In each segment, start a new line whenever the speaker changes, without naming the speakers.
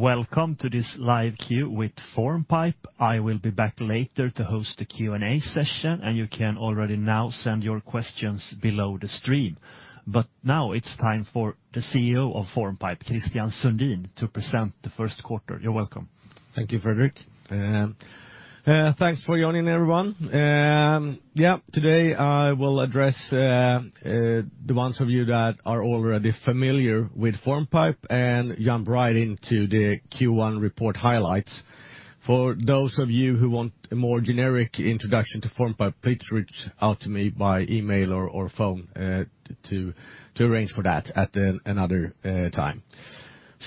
Welcome to this Live Q with Formpipe. I will be back later to host the Q&A session. You can already now send your questions below the stream. Now it's time for the CEO of Formpipe, Christian Sundin, to present the first quarter. You're welcome.
Thank you, Fredrik. Thanks for joining everyone. Today I will address the ones of you that are already familiar with Formpipe and jump right into the Q1 report highlights. For those of you who want a more generic introduction to Formpipe, please reach out to me by email or phone to arrange for that at another time.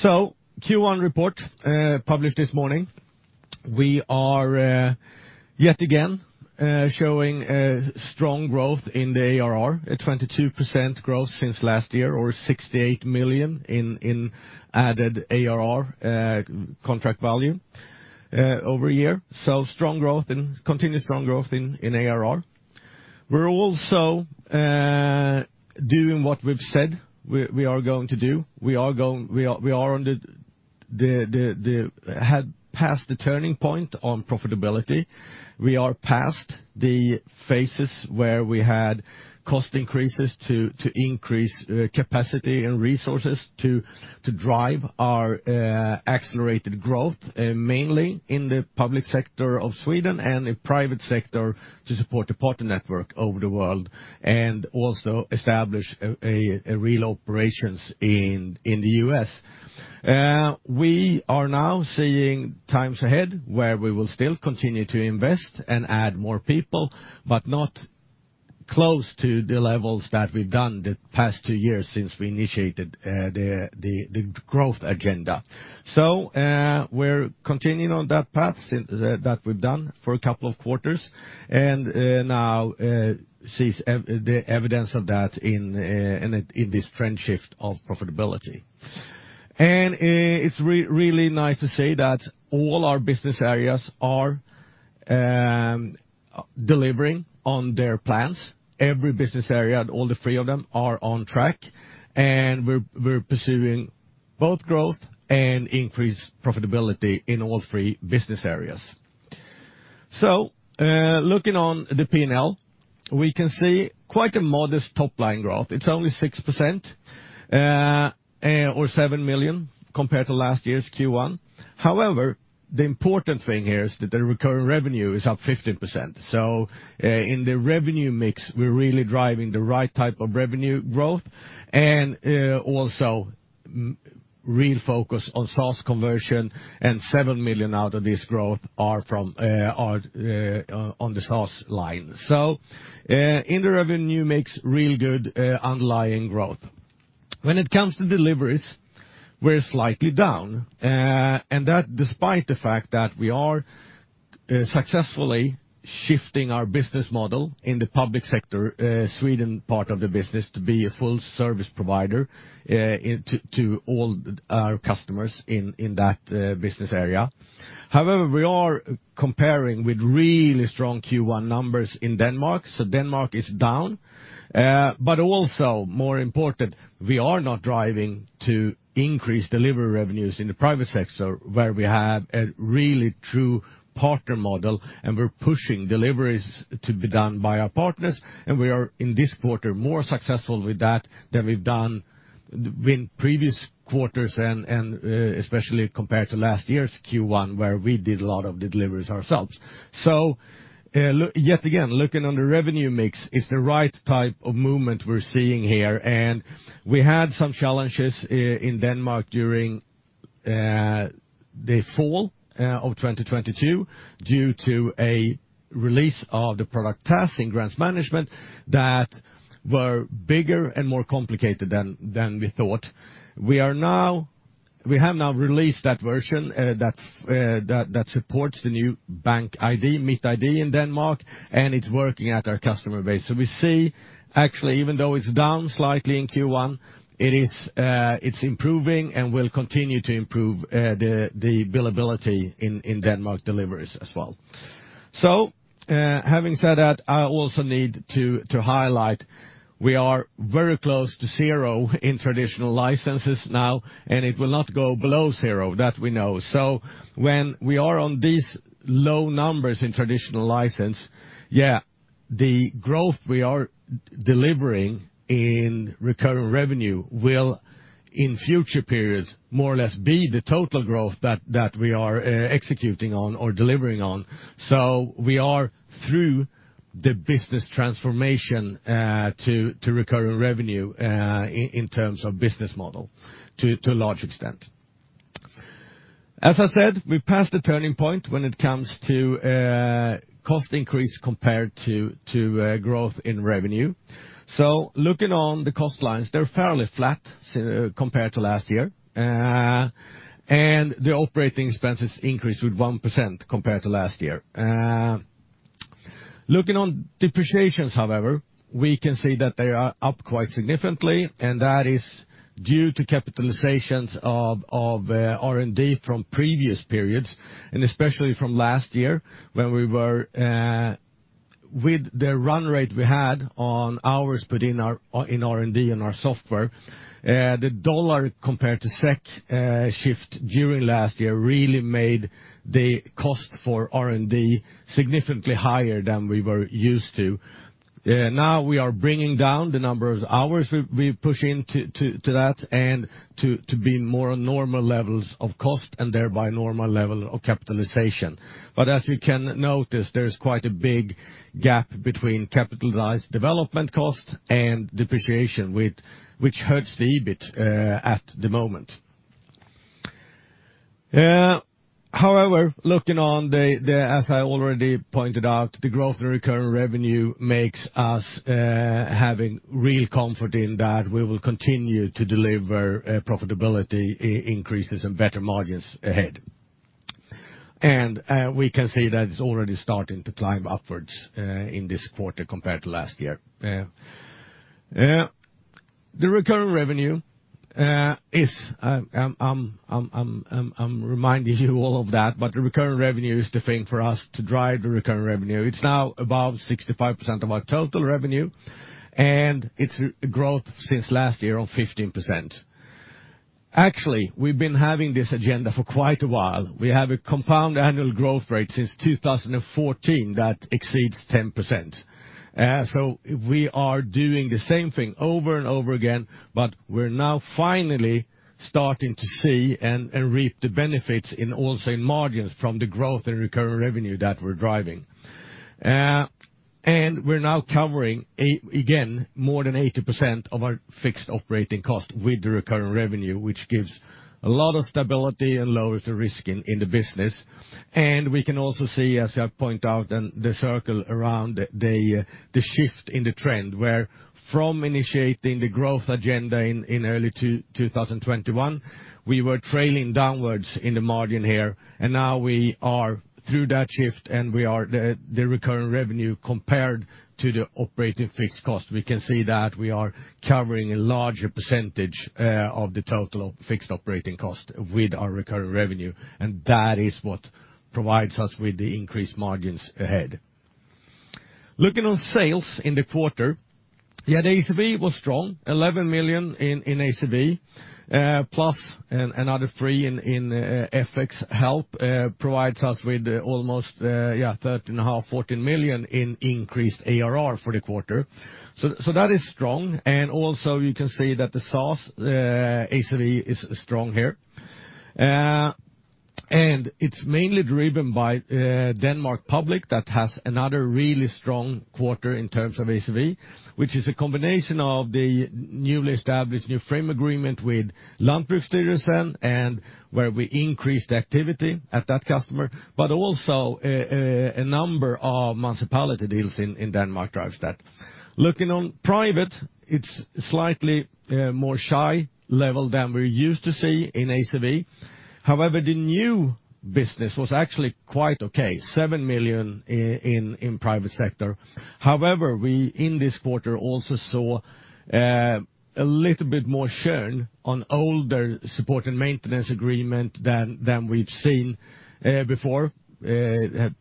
Q1 report published this morning. We are yet again showing a strong growth in the ARR, a 22% growth since last year or 68 million in added ARR contract value over a year. So strong growth in continuous, strong growth in ARR. We are also doing what we have said we are going to do. We are on the past the turning point on profitability. We are past the phases where we had cost increases to increase capacity and resources to drive our accelerated growth mainly in the public sector of Sweden and in private sector to support the partner network over the world, and also establish real operations in the U.S. We are now seeing times ahead where we will still continue to invest and add more people, but not close to the levels that we've done the past two years since we initiated the growth agenda. We're continuing on that path that we've done for a couple of quarters, and now see the evidence of that in this trend shift of profitability. It's really nice to say that all our business areas are delivering on their plans. Every business area, all the three of them are on track, and we're pursuing both growth and increased profitability in all three business areas. Looking on the P&L, we can see quite a modest top-line growth. It's only 6%, or 7 million compared to last year's Q1. However, the important thing here is that the recurring revenue is up 15%. In the revenue mix, we're really driving the right type of revenue growth and also real focus on SaaS conversion, and 7 million out of this growth are from on the SaaS line. In the revenue mix, real good underlying growth. When it comes to deliveries, we're slightly down. That despite the fact that we are successfully shifting our business model in the public sector, Sweden part of the business to be a full-service provider to all our customers in that business area. However, we are comparing with really strong Q1 numbers in Denmark. Denmark is down. Also more important, we are not driving to increase delivery revenues in the private sector where we have a really true partner model, and we're pushing deliveries to be done by our partners, and we are, in this quarter, more successful with that than we've done in previous quarters and especially compared to last year's Q1, where we did a lot of the deliveries ourselves. Yet again, looking on the revenue mix is the right type of movement we're seeing here. We had some challenges in Denmark during the fall of 2022 due to a release of the product TAS in grants management that were bigger and more complicated than we thought. We have now released that version, that supports the new bank ID (MitID) in Denmark, and it's working at our customer base. We see actually, even though it's down slightly in Q1, it is, it's improving and will continue to improve, the billability in Denmark deliveries as well. Having said that, I also need to highlight we are very close to zero in traditional licenses now, and it will not go below zero, that we know. When we are on these low numbers in traditional licenses, the growth we are delivering in recurring revenue will, in future periods, more or less be the total growth that we are executing on or delivering on. We are through the business transformation to recurring revenue in terms of business model to a large extent. As I said, we passed the turning point when it comes to cost increase compared to growth in revenue. Looking on the cost lines, they're fairly flat compared to last year. The operating expenses increased with 1% compared to last year. Looking on depreciation, however, we can see that they are up quite significantly, and that is due to capitalizations of R&D from previous periods, and especially from last year when, with the run rate we had on hours put in R&D and our software, the dollar compared to SEK shift during last year really made the cost for R&D significantly higher than we were used to. Now we are bringing down the number of hours we push into that and to be more normal levels of cost and thereby normal level of capitalization. As you can notice, there's quite a big gap between capitalized development costs and depreciation, which hurts the EBIT at the moment. However, looking as I already pointed out, the growth in recurring revenue makes us having real comfort in that we will continue to deliver profitability increases and better margins ahead. We can see that it's already starting to climb upwards in this quarter compared to last year. Yeah. Yeah. The recurring revenue is, I'm reminding you all of that, but the recurring revenue is the thing for us to drive the recurring revenue. It's now above 65% of our total revenue, and it's growth since last year on 15%. Actually, we've been having this agenda for quite a while. We have a compound annual growth rate since 2014 that exceeds 10%. We are doing the same thing over and over again, but we're now finally starting to see and reap the benefits in also in margins from the growth and recurring revenue that we're driving. We're now covering again, more than 80% of our fixed operating cost with the recurring revenue, which gives a lot of stability and lowers the risk in the business. We can also see, as I point out in the circle around the shift in the trend, where from initiating the growth agenda in early 2021, we were trailing downwards in the margin here, and now we are the recurring revenue compared to the operating fixed cost. We can see that we are covering a larger percentage, of the total fixed operating cost with our recurring revenue, and that is what provides us with the increased margins ahead. Looking on sales in the quarter. Yeah, the ACV was strong, 11 million in ACV, plus another 3 million in FX help, provides us with almost 13.5 million-14 million in increased ARR for the quarter. That is strong. Also you can see that the SaaS ACV is strong here. It's mainly driven by Denmark Public that has another really strong quarter in terms of ACV, which is a combination of the newly established new frame agreement with Landbrugsstyrelsen, and where we increased activity at that customer, but also a number of municipality deals in Denmark drives that. Looking on private, it's slightly more shy level than we're used to see in ACV. The new business was actually quite okay, 7 million in private sector. We in this quarter also saw a little bit more churn on older support and maintenance agreement than we've seen before.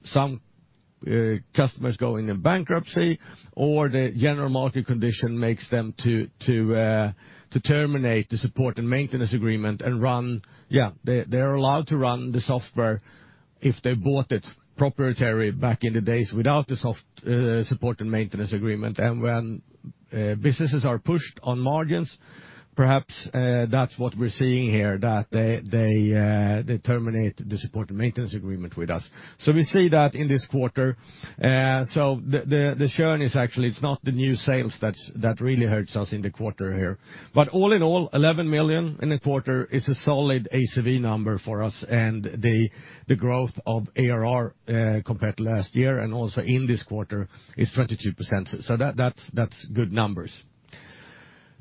Some customers go into bankruptcy, or the general market condition makes them to terminate the support and maintenance agreement and run. Yeah, they're allowed to run the software if they bought it proprietary back in the days without the support and maintenance agreement. When businesses are pushed on margins, perhaps, that's what we're seeing here, that they terminate the support and maintenance agreement with us. We see that in this quarter. The churn is actually, it's not the new sales that really hurts us in the quarter here. All in all, 11 million in a quarter is a solid ACV number for us and the growth of ARR compared to last year and also in this quarter is 22%. That's good numbers.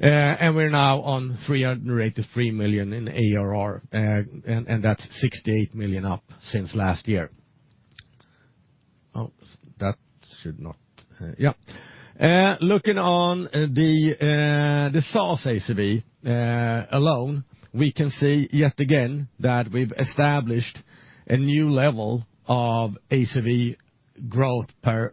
We're now on 383 million in ARR and that's 68 million up since last year. Looking on the SaaS ACV alone, we can see yet again that we've established a new level of ACV growth per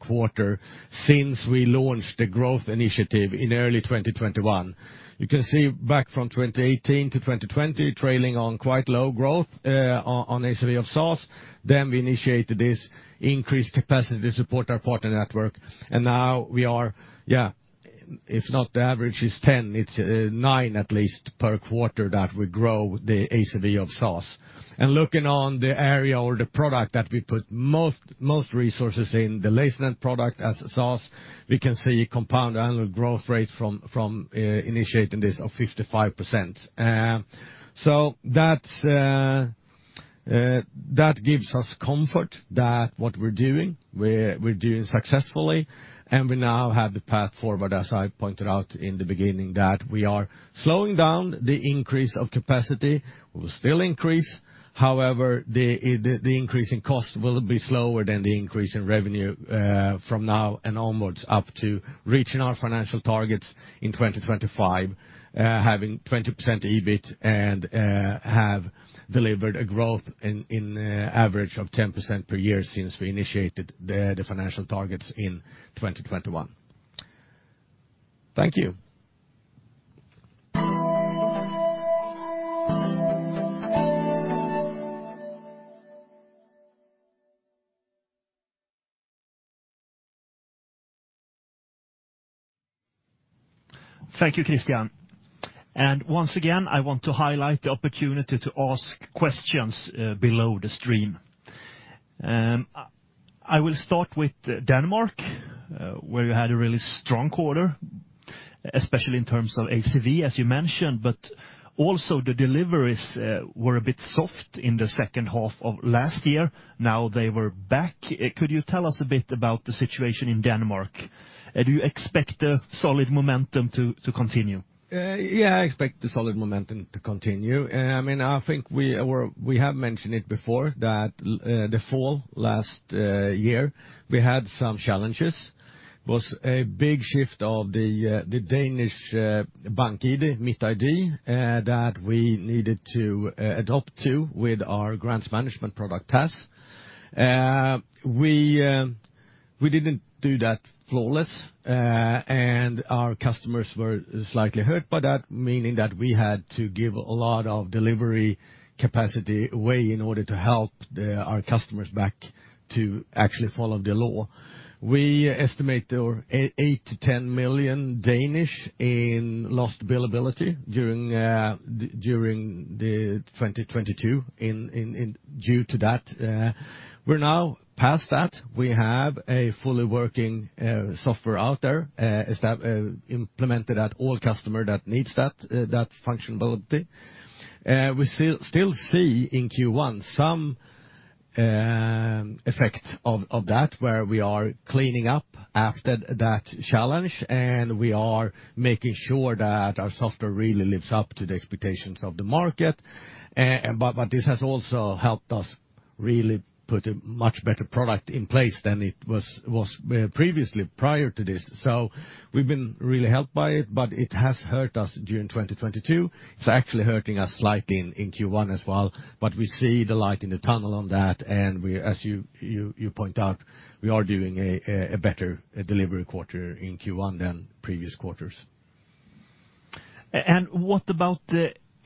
quarter since we launched the growth initiative in early 2021. You can see back from 2018 to 2020, trailing on quite low growth on ACV of SaaS. We initiated this increased capacity to support our partner network. Now we are, yeah, if not the average is 10, it's 9 at least per quarter that we grow the ACV of SaaS. Looking on the area or the product that we put most resources in the LaserNet product as a SaaS, we can see compound annual growth rate from initiating this of 55%. That gives us comfort that what we're doing, we're doing successfully, and we now have the path forward, as I pointed out in the beginning, that we are slowing down the increase of capacity. We'll still increase. The increase in cost will be slower than the increase in revenue from now and onwards, up to reaching our financial targets in 2025, having 20% EBIT and have delivered a growth in average of 10% per year since we initiated the financial targets in 2021. Thank you.
Thank you, Christian. Once again, I want to highlight the opportunity to ask questions below the stream. I will start with Denmark, where you had a really strong quarter, especially in terms of ACV, as you mentioned, but also the deliveries were a bit soft in the second half of last year. Now they were back. Could you tell us a bit about the situation in Denmark? Do you expect a solid momentum to continue?
Yeah, I expect the solid momentum to continue. I mean, I think we have mentioned it before that the fall last year, we had some challenges. Was a big shift of the Danish bank ID (MitID), that we needed to adopt to with our grants management product, TAS. We didn't do that flawless, and our customers were slightly hurt by that, meaning that we had to give a lot of delivery capacity away in order to help our customers back to actually follow the law. We estimate there were 8 million-10 million in lost billability during 2022 due to that. We're now past that. We have a fully working software out there, implemented at all customers that need that functionality. We still see in Q1 some effect of that, where we are cleaning up after that challenge, and we are making sure that our software really lives up to the expectations of the market. This has also helped us really put a much better product in place than it was previously prior to this. We've been really helped by it, but it has hurt us during 2022. It's actually hurting us slightly in Q1 as well, but we see the light in the tunnel on that, and we, as you point out, we are doing a better delivery quarter in Q1 than previous quarters.
What about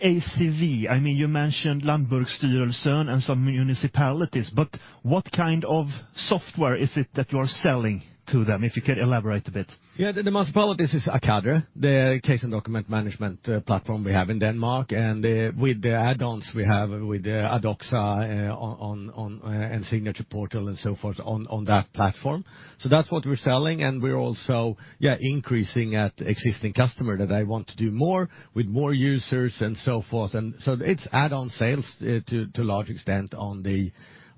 the ACV? I mean, you mentioned Landbrugsstyrelsen and some municipalities, but what kind of software is it that you are selling to them, if you could elaborate a bit?
Yeah. The municipalities is Acadre, the case and document management platform we have in Denmark, and with the add-ons we have with Adoxa and Signing Portal and so forth on that platform. That's what we're selling, and we're also, yeah, increasing at existing customer that they want to do more with more users and so forth. It's add-on sales to a large extent.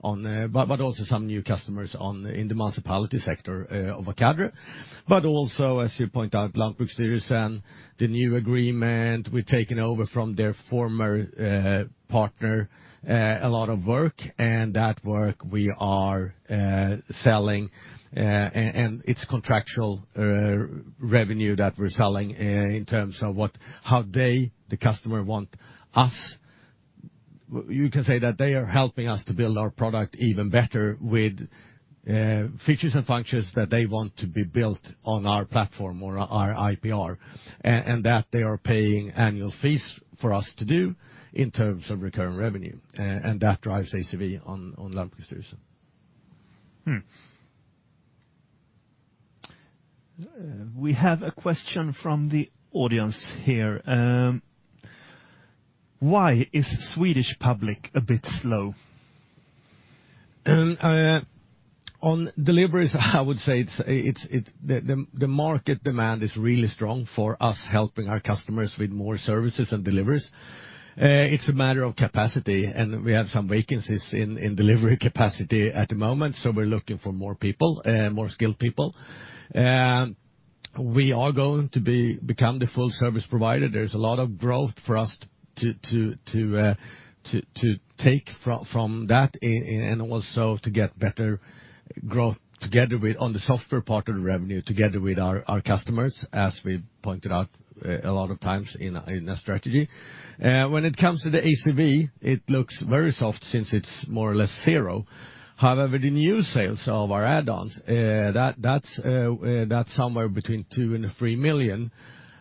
Also some new customers in the municipality sector of Acadre. Also, as you point out, Landbrugsstyrelsen, the new agreement we've taken over from their former partner, a lot of work, and that work we are selling, and it's contractual revenue that we're selling in terms of how they, the customer, want us. You can say that they are helping us to build our product even better with features and functions that they want to be built on our platform or our IPR, and that they are paying annual fees for us to do in terms of recurring revenue, and that drives ACV on Landbrugsstyrelsen.
We have a question from the audience here. Why is Swedish public a bit slow?
On deliveries, I would say it's the market demand is really strong for us helping our customers with more services and deliveries. It's a matter of capacity, and we have some vacancies in delivery capacity at the moment, so we're looking for more people, more skilled people. We are going to become the full-service provider. There's a lot of growth for us to take from that and also to get better growth together with on the software part of the revenue, together with our customers, as we pointed out a lot of times in a strategy. When it comes to the ACV, it looks very soft since it's more or less zero. However, the new sales of our add-ons, that's somewhere between 2 million-3 million,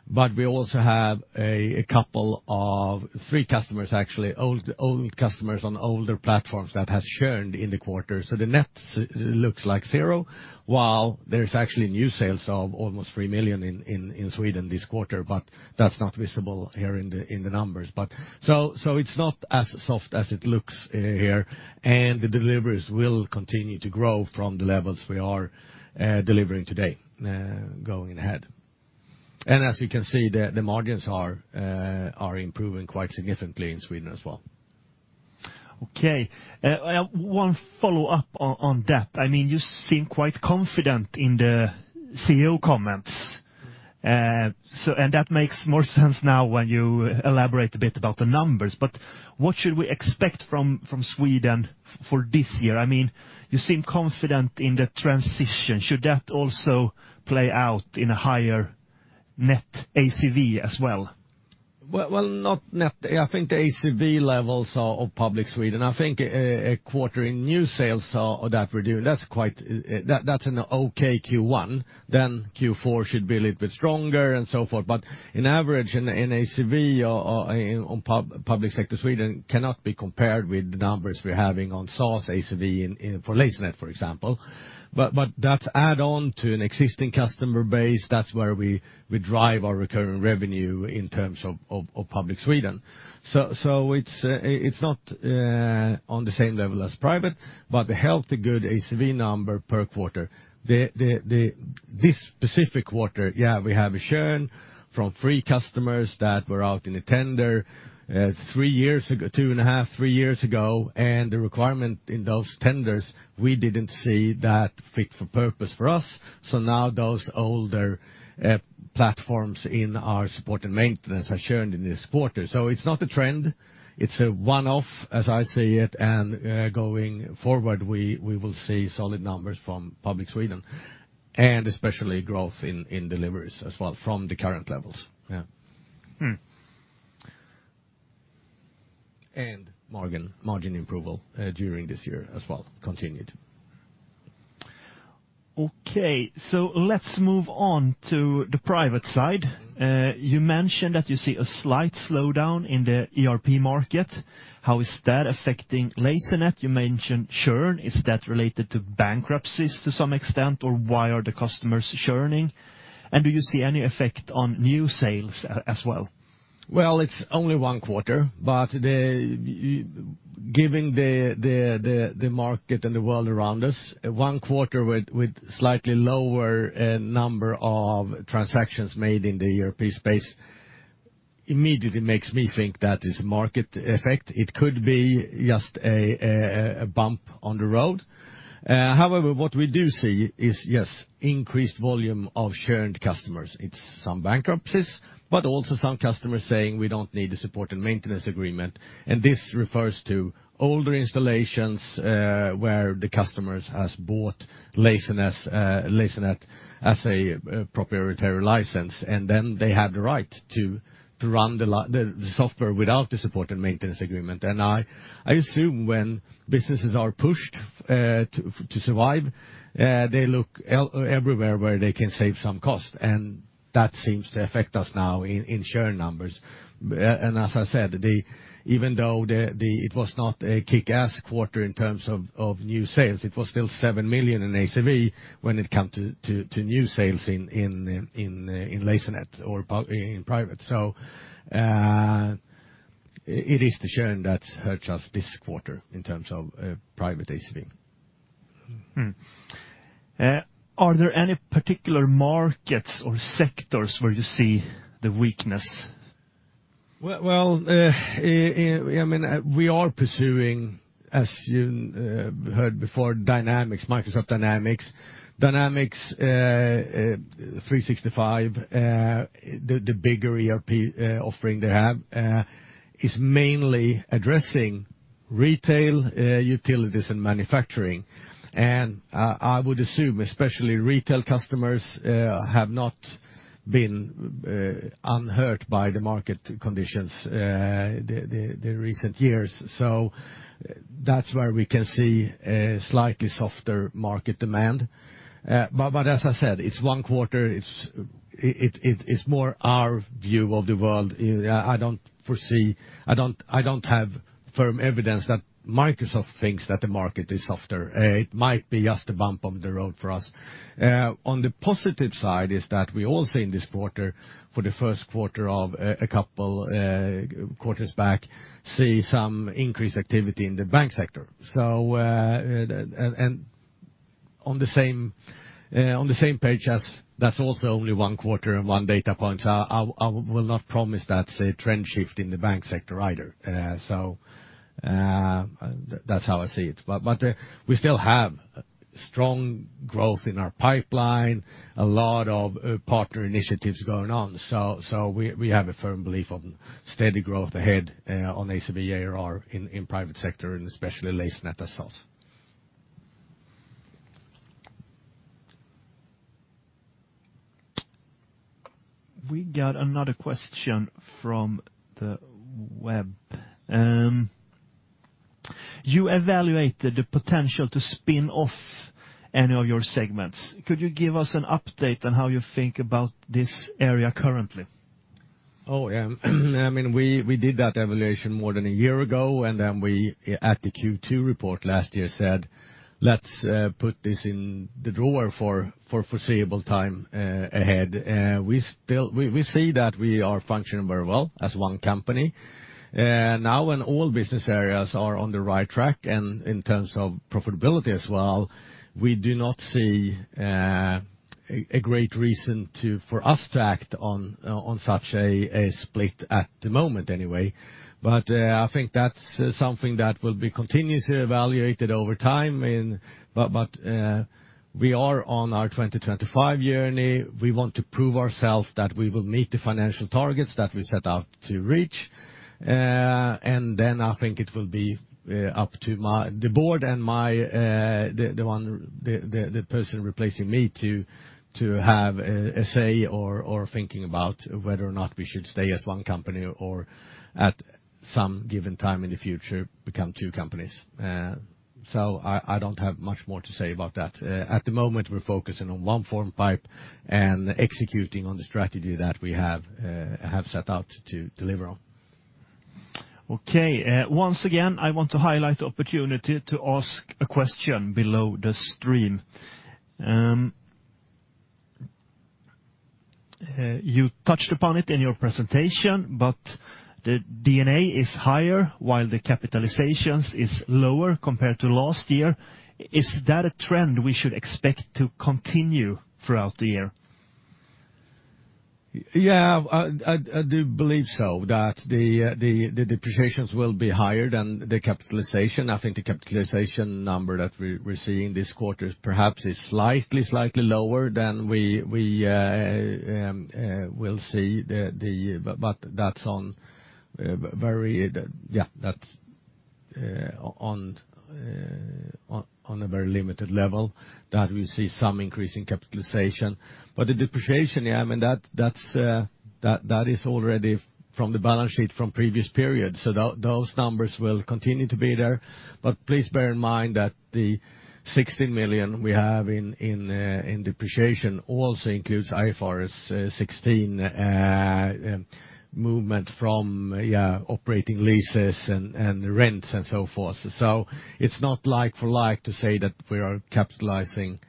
but we also have a couple of three customers, actually, old customers on older platforms that has churned in the quarter. The net looks like zero, while there is actually new sales of almost 3 million in Sweden this quarter, but that's not visible here in the numbers. It's not as soft as it looks here, and the deliveries will continue to grow from the levels we are delivering today, going ahead. As you can see, the margins are improving quite significantly in Sweden as well.
One follow-up on that. I mean, you seem quite confident in the CEO comments. That makes more sense now when you elaborate a bit about the numbers. What should we expect from Sweden for this year? I mean, you seem confident in the transition. Should that also play out in a higher net ACV as well?
Well, not net. I think the ACV levels of public Sweden, I think a quarter in new sales of that were doing, that's an okay Q1. Q4 should be a little bit stronger and so forth. In average, in ACV on public sector Sweden cannot be compared with the numbers we're having on SaaS ACV for LaserNet, for example. That's add on to an existing customer base. That's where we drive our recurring revenue in terms of public Sweden. It's not on the same level as private, but a healthy good ACV number per quarter. This specific quarter, yeah, we have a churn from three customers that were out in a tender, three years ago, two and a half, three years ago, and the requirement in those tenders, we didn't see that fit-for-purpose for us. Now those older platforms in our support and maintenance are churned in this quarter. It's not a trend, it's a one-off as I see it, and going forward, we will see solid numbers from public Sweden, and especially growth in deliveries as well from the current levels. Yeah. Margin improvement, during this year as well continued.
Okay. Let's move on to the private side. You mentioned that you see a slight slowdown in the ERP market. How is that affecting LaserNet? You mentioned churn. Is that related to bankruptcies to some extent, or why are the customers churning? Do you see any effect on new sales as well?
Well, it's only one quarter, but giving the market and the world around us, one quarter with slightly lower number of transactions made in the European space immediately makes me think that is market effect. It could be just a bump on the road. What we do see is, yes, increased volume of churned customers. It's some bankruptcies, but also some customers saying, "We don't need the support and maintenance agreement." This refers to older installations, where the customers has bought LaserNet as a proprietary license, and then they had the right to run the software without the support and maintenance agreement. I assume when businesses are pushed, to survive, they look everywhere where they can save some cost, and that seems to affect us now in churn numbers. As I said, even though the it was not a kick-ass quarter in terms of new sales, it was still 7 million in ACV when it come to new sales in LaserNet or in private. It is the churn that hurt us this quarter in terms of private ACV.
Are there any particular markets or sectors where you see the weakness?
Well, I mean, we are pursuing, as you heard before, Microsoft Dynamics 365, the bigger ERP offering they have, is mainly addressing retail, utilities and manufacturing. I would assume especially retail customers have not been unhurt by the market conditions the recent years. That's where we can see a slightly softer market demand. But as I said, it's one quarter, it's more our view of the world. I don't have firm evidence that Microsoft thinks that the market is softer. It might be just a bump on the road for us. On the positive side is that we all see in this quarter, for the first quarter of a couple quarters back, see some increased activity in the bank sector. On the same, on the same page as that's also only one quarter and one data point. I will not promise that's a trend shift in the bank sector either. That's how I see it. We still have strong growth in our pipeline, a lot of partner initiatives going on. We have a firm belief on steady growth ahead, on ACV and ARR in private sector and especially LaserNet as well.
We got another question from the web. You evaluated the potential to spin off any of your segments. Could you give us an update on how you think about this area currently?
Oh, yeah. I mean, we did that evaluation more than a year ago. We, at the Q2 report last year, said, "Let's put this in the drawer for foreseeable time ahead." We see that we are functioning very well as one company. Now when all business areas are on the right track and in terms of profitability as well, we do not see a great reason for us to act on such a split at the moment anyway. I think that's something that will be continuously evaluated over time, but we are on our 2025 journey. We want to prove ourselves that we will meet the financial targets that we set out to reach. I think it will be up to the board and my, the one, the person replacing me to have a say or thinking about whether or not we should stay as one company or at some given time in the future become two companies. I don't have much more to say about that. At the moment, we're focusing on one Formpipe and executing on the strategy that we have set out to deliver on.
Once again, I want to highlight the opportunity to ask a question below the stream. You touched upon it in your presentation, but the D&A is higher, while the capitalizations is lower compared to last year. Is that a trend we should expect to continue throughout the year?
Yeah. I do believe so, that the depreciations will be higher than the capitalization. I think the capitalization number that we're seeing this quarter perhaps is slightly lower than we will see the... That's on very. Yeah, that's on a very limited level that we see some increase in capitalization. The depreciation, yeah, I mean, that is already from the balance sheet from previous periods. Those numbers will continue to be there. Please bear in mind that the 16 million we have in depreciation also includes IFRS 16 movement from, yeah, operating leases and rents and so forth. It's not like for like to say that we are capitalizing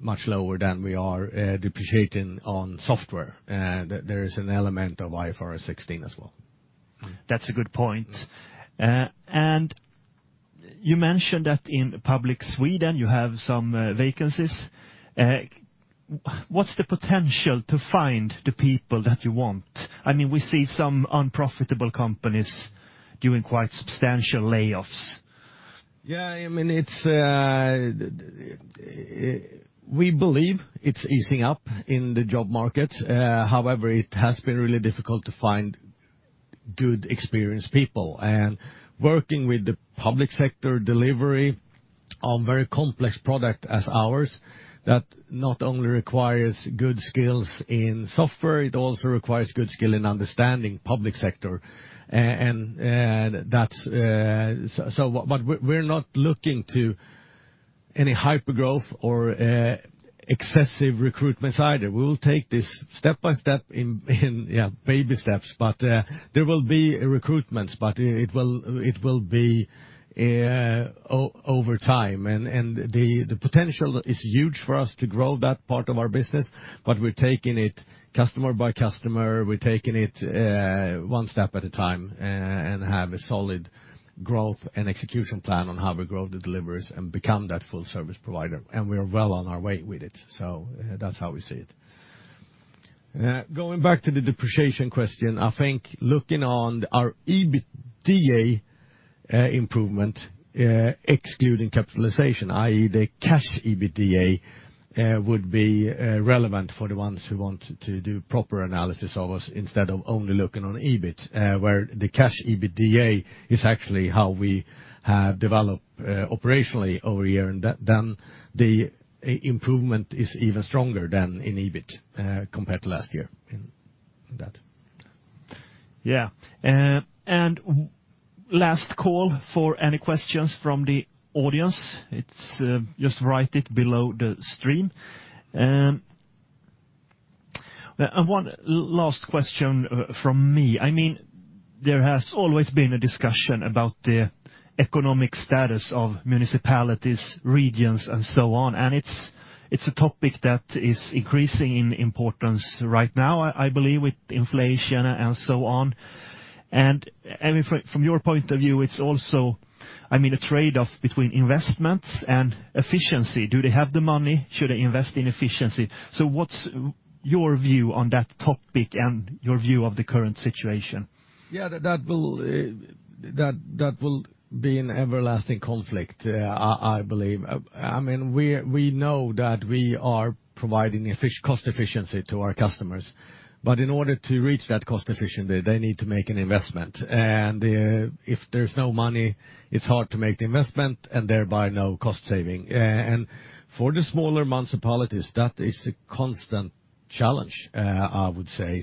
much lower than we are depreciating on software. There is an element of IFRS 16 as well.
That's a good point. You mentioned that in public Sweden you have some vacancies. What's the potential to find the people that you want? I mean, we see some unprofitable companies doing quite substantial layoffs.
Yeah, I mean, it's. We believe it's easing up in the job market. However, it has been really difficult to find good, experienced people. Working with the public sector delivery on very complex product as ours, that not only requires good skills in software, it also requires good skill in understanding public sector. And that's. But we're not looking to any hyper growth or excessive recruitments either. We will take this step by step in yeah, baby steps, but there will be recruitments, but it will be over time. The potential is huge for us to grow that part of our business, we're taking it customer by customer, we're taking it, one step at a time and have a solid growth and execution plan on how we grow the deliveries and become that full-service provider, and we are well on our way with it. That's how we see it. Going back to the depreciation question, I think looking on our EBITDA improvement, excluding capitalization, i.e. the cash EBITDA, would be relevant for the ones who want to do proper analysis of us instead of only looking on EBIT, where the cash EBITDA is actually how we have developed operationally over a year, then the improvement is even stronger than in EBIT compared to last year in that.
Yeah. Last call for any questions from the audience. It's, just write it below the stream. One last question from me. I mean, there has always been a discussion about the economic status of municipalities, regions, and so on, and it's a topic that is increasing in importance right now, I believe, with inflation and so on. I mean, from your point of view, it's also, I mean, a trade-off between investments and efficiency. Do they have the money? Should they invest in efficiency? What's your view on that topic and your view of the current situation?
Yeah, that will be an everlasting conflict, I believe. I mean, we know that we are providing cost efficiency to our customers, but in order to reach that cost efficiency, they need to make an investment. If there's no money, it's hard to make the investment and thereby no cost saving. For the smaller municipalities, that is a constant challenge, I would say.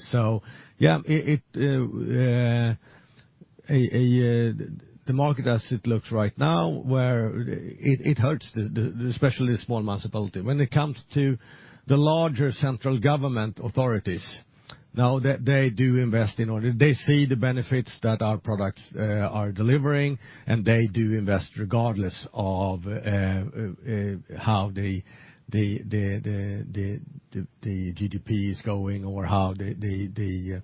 Yeah, it, the market as it looks right now, where it hurts the especially small municipality. When it comes to the larger central government authorities, now they do invest in order. They see the benefits that our products are delivering, and they do invest regardless of how the GDP is going or how the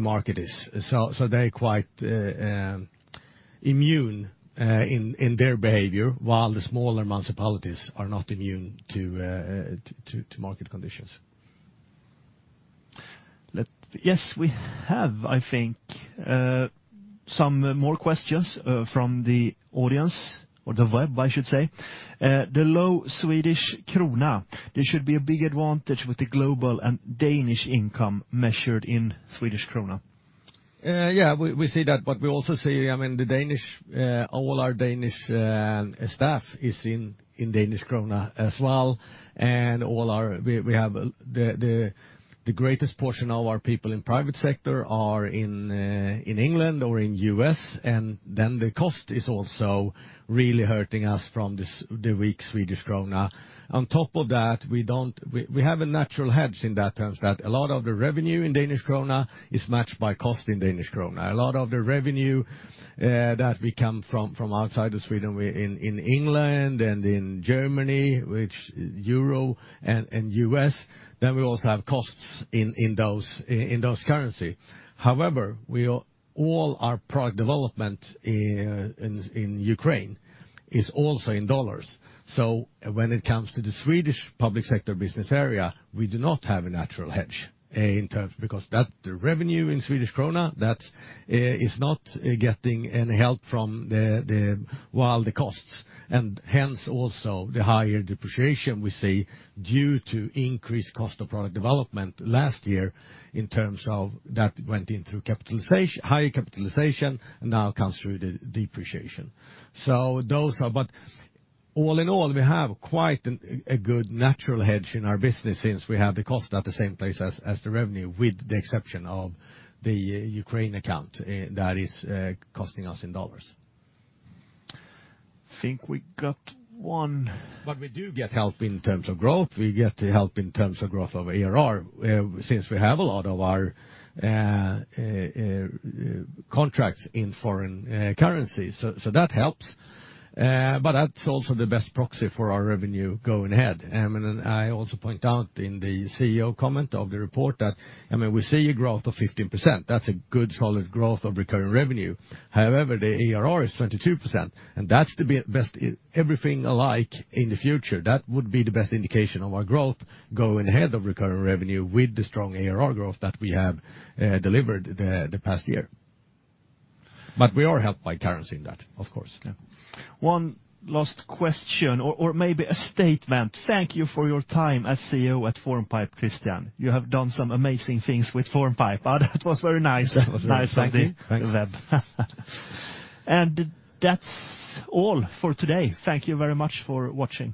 market is. They're quite immune in their behavior, while the smaller municipalities are not immune to market conditions.
Yes, we have, I think. Some more questions from the audience or the web, I should say. The low Swedish krona, this should be a big advantage with the global and Danish income measured in Swedish krona.
Yeah, we see that. We also see, I mean, the Danish, all our Danish staff is in Danish krona as well, and we have the greatest portion of our people in private sector are in England or in the U.S. The cost is also really hurting us from the weak Swedish krona. On top of that, we have a natural hedge in that terms that a lot of the revenue in Danish krona is matched by cost in Danish krona. A lot of the revenue that we come from outside of Sweden, in England and in Germany, which EUR and U.S. dollars, we also have costs in those currencies. However, all our product development in Ukraine is also in USD. When it comes to the Swedish public sector business area, we do not have a natural hedge in terms, because that revenue in Swedish krona, that's is not getting any help from the. While the costs, and hence also the higher depreciation we see due to increased cost of product development last year in terms of that went in through higher capitalization and now comes through the depreciation. All in all, we have quite a good natural hedge in our business since we have the cost at the same place as the revenue, with the exception of the Ukraine account that is costing us in USD.
Think we got one.
We do get help in terms of growth. We get help in terms of growth of ARR since we have a lot of our contracts in foreign currency. That helps. That's also the best proxy for our revenue going ahead. I also point out in the CEO comment of the report that, I mean, we see a growth of 15%. That's a good solid growth of recurring revenue. However, the ARR is 22%, and that's the best everything alike in the future, that would be the best indication of our growth going ahead of recurring revenue with the strong ARR growth that we have delivered the past year. We are helped by currency in that, of course.
One last question or maybe a statement. Thank you for your time as CEO at Formpipe, Christian. You have done some amazing things with Formpipe. That was very nice.
That was very nice. Thank you.
Nice.
Thanks.
That's all for today. Thank you very much for watching.